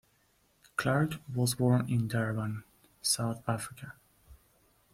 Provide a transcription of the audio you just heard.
Clark was born in Durban, South Africa.